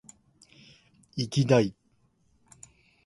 いぎだい！！！！